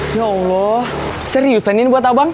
ya allah serius ini buat abang